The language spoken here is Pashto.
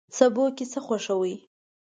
سبو کی څه خوښوئ؟